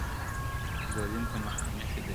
چي ظالم ته مخامخ وي درېدلي -